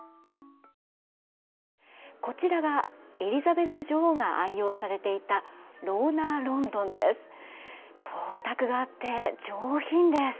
こちらがエリザベス女王が愛用されていたロウナーロンドンです。